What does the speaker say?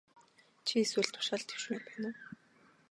Чи эсвэл тушаал дэвшмээр байна уу?